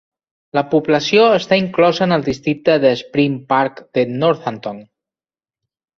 La població està inclosa en el districte de Spring Park de Northampton.